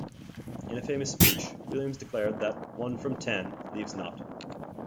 In a famous speech, Williams declared that "one from ten leaves nought".